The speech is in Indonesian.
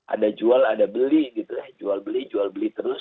ada jual ada beli gitu ya jual beli jual beli terus